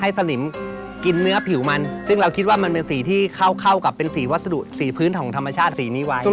สลิมกินเนื้อผิวมันซึ่งเราคิดว่ามันเป็นสีที่เข้ากับเป็นสีวัสดุสีพื้นของธรรมชาติสีนี้ไว้